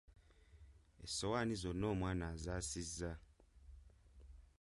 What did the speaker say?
Essowaani zonna omwana azaasizza.